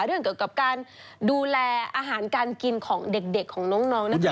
เรื่องเกี่ยวกับการดูแลอาหารการกินของเด็กของน้องนะคะ